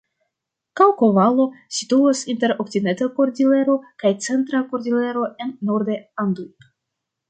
Kaŭko-Valo situas inter Okcidenta Kordilero kaj Centra Kordilero en nordaj Andoj.